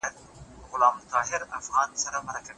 جهاني له دې مالته مرور دي قسمتونه